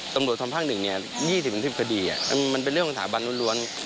สนุนโรคธรรมภาคหนึ่งเนี่ย๒๐ประโยค้ารภิกษ์มันเป็นเรื่องถามที่รูดลุ้น